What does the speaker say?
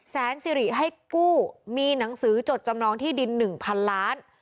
สิริให้กู้มีหนังสือจดจำนองที่ดิน๑๐๐๐ล้าน